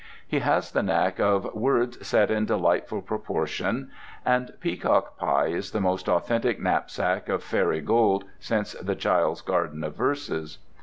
He has the knack of "words set in delightful proportion"; and "Peacock Pie" is the most authentic knapsack of fairy gold since the "Child's Garden of Verses."